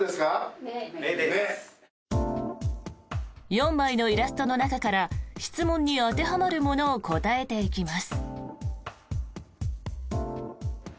４枚のイラストの中から質問に当てはまるものを答えていきます。